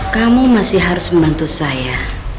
kamu masih harus membantu saya